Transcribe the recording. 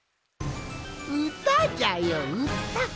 うたじゃようた！